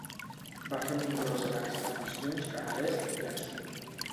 Va fer nombroses expedicions cap a l'est i el sud.